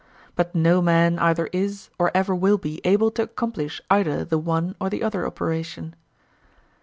But no man either is or ever will be able to accomplish either the one or the other operation.